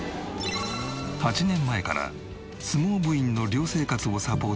８年前から相撲部員の寮生活をサポートする明慶パパ。